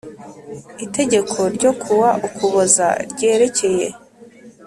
Itegeko ryo ku wa Ukuboza ryerekeye